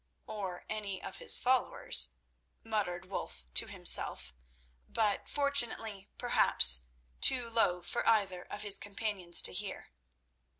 "Or any of his followers," muttered Wulf to himself, but fortunately, perhaps, too low for either of his companions to hear.